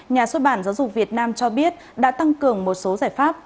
nhà xuất bản giáo dục việt nam cho biết đã tăng cường một số giải pháp